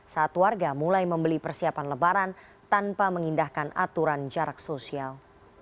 saat warga mulai membeli persiapan lebaran tanpa mengindahkan aturan jarak sosial